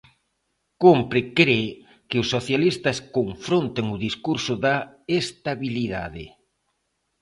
Cómpre, cre, que os socialistas confronten o discurso da "estabilidade".